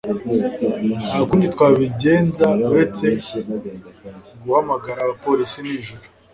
Nta kundi twabigenza uretse guhamagara abapolisi nijoro.